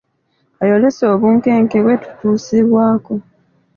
Ayolese obunkenke bwe tutuusibwako